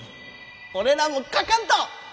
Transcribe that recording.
俺らも書かんと！